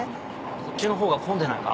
こっちのほうが混んでないか？